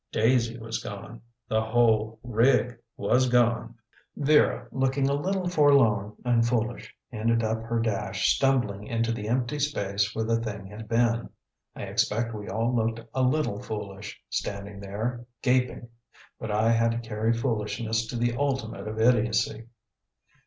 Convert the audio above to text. Daisy was gone. The whole rig was gone. Vera, looking a little forlorn and foolish, ended up her dash stumbling into the empty space where the thing had been. I expect we all looked a little foolish, standing there, gaping. But I had to carry foolishness to the ultimate of idiocy.